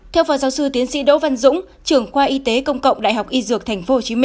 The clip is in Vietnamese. theo phó giáo sư tiến sĩ đỗ văn dũng trưởng khoa y tế công cộng đại học y dược tp hcm